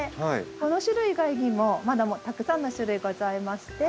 この種類以外にもまだたくさんの種類がございまして。